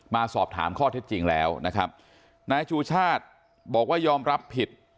มาสอบถามข้อเท็จจริงแล้วนะครับนายชูชาติบอกว่ายอมรับผิด